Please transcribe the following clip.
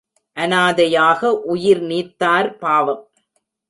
அனாதையாக உயிர் நீத்தார் பாவம்!